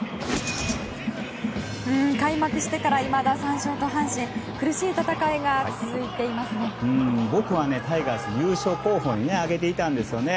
開幕してからいまだ３勝と阪神、苦しい戦いが続いていますね。